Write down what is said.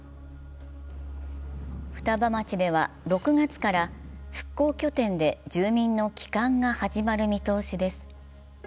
双葉町では６月から復興拠点で住民の帰還が始まる見通しです。